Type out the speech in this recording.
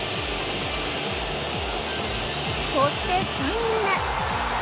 そして３人目。